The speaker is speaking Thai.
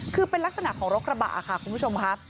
คือเป็นลักษณะของรถกระบะค่ะคุณผู้ชมค่ะ